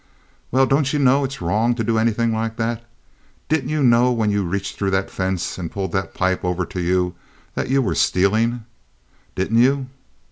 "Well, don't you know it's wrong to do anything like that? Didn't you know when you reached through that fence and pulled that pipe over to you that you were stealing? Didn't you?"